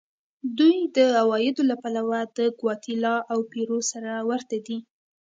دوی د عوایدو له پلوه د ګواتیلا او پیرو سره ورته دي.